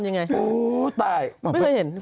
กัญชัยมอบให้คุณจะเอายังอื่นนะครับ